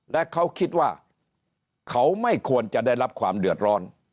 และเขาคิดว่าเขาไม่ควรจะได้รับความเดือดร้อน